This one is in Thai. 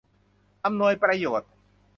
อำนวยประโยชน์